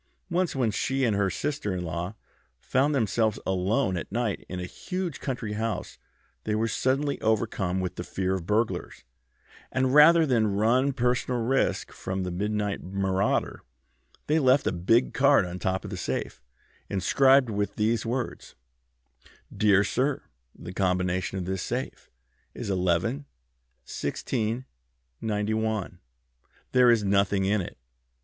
Once when she and her sister in law found themselves alone at night in a huge country house they were suddenly overcome with fear of burglars, and rather than run any personal risk from the midnight marauder they left a big card on top of the safe inscribed with these words: 'Dear Sir, The combination of this safe is 11 16 91. There is nothing in it.